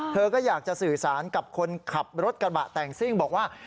เธอก็อยากจะสื่อสารกับคนขับรถกระบะแต่งซิ่งบอกว่า